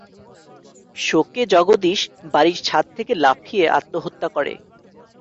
শোকে জগদীশ বাড়ীর ছাদ থেকে লাফিয়ে আত্মহত্যা্ করে।